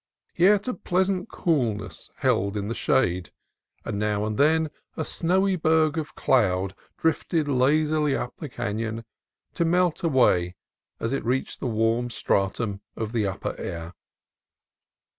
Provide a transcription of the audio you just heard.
Yet a pleasant coolness held in the shade, and now and then a snowy berg of cloud drifted lazily up the canon, to melt away as it reached the warm stratum of the upper air.